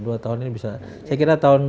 dua tahun ini bisa saya kira tahun